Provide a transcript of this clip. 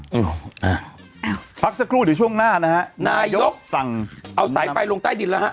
อืมอ่าพักสักครู่เดี๋ยวช่วงหน้านะฮะนายกสั่งเอาสายไฟลงใต้ดินแล้วฮะ